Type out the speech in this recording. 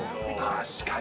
確かに。